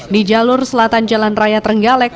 di jalur selatan jalan raya trenggalek